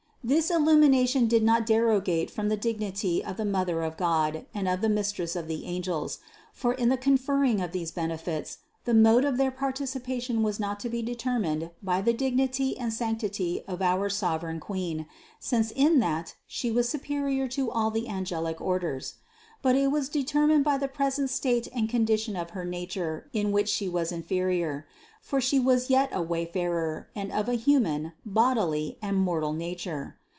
651. This mode of illumination did not derogate from the dignity of the Mother of God and of the Mistress of the angels ; for in the conferring of these benefits, the mode of their participation was not to be determined by 504 CITY OF GOD the dignity and sanctity of our sovereign Queen, since in that She was superior to all the angelic orders ; but it was determined by the present state and condition of her nature in which She was inferior; for She was yet a wayfarer and of a human, bodily and mortal nature.